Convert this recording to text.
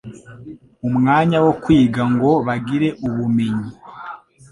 umwanya wo kwiga ngo bagire ubumenyi